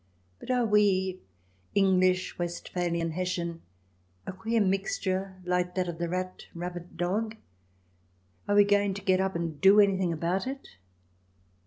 But are we, English Westphalian Hessian — a queer mixture like that of the rat rabbit dog — are we going to get up and do anything about it